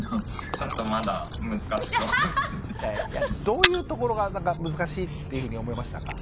どういうところが難しいっていうふうに思いましたか？